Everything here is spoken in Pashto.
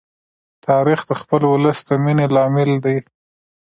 تاریخ د خپل ولس د مینې لامل دی.